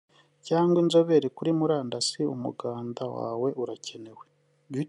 cyangwa inzobere kuri murandasi umuganda wawe urakenewe